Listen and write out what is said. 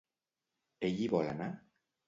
Ell hi vol anar?